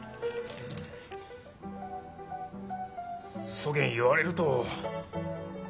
そげん言われると。